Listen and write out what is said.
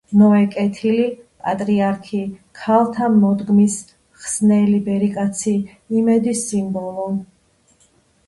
ნოე კეთილი პატრიარქი, ქალთა მოდგმის მხსნელი ბერიკაცი, იმედის სიმბოლო.